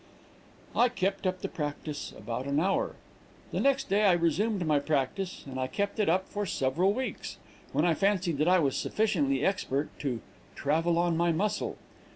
I kept up the practice about an hour. "The next day I resumed my practice, and I kept it up for several weeks, when I fancied that I was sufficiently expert to 'travel on my muscle.'